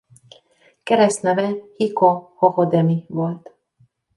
Keresztneve Hiko-hohodemi volt.